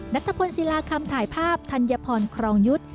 นัทพลศิลาคำถ่ายภาพธัญพรครองยุทธ์